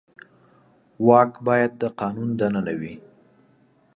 واک باید د قانون دننه وي